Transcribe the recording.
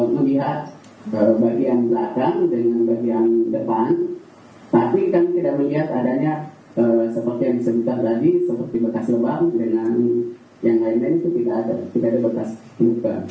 melihat bagian belakang dengan bagian depan tapi kami tidak melihat adanya seperti yang disebutkan tadi seperti bekas lembang dengan yang lain lain itu tidak ada bekas luka